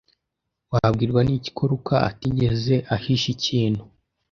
Wabwirwa n'iki ko Luka atigeze ahisha ikintu?